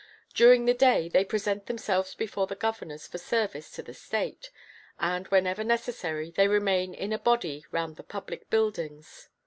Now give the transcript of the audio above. During the day they present themselves before the governors for service to the state, and, whenever necessary, they remain in a body round the public buildings.